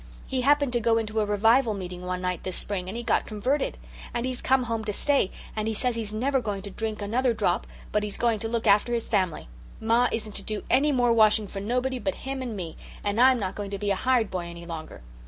He happened to go into a revival meeting one night this spring and he got converted. And he's come home to stay, and he says he's never going to drink another drop, but he's going to look after his family. Ma isn't to do any more washing for nobody but him and me, and I'm not to be a hired boy any longer.